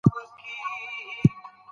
ادب د انسان ذهن غنا کوي.